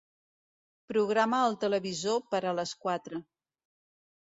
Programa el televisor per a les quatre.